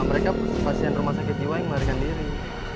mereka pasien rumah sakit jiwa yang melarikan diri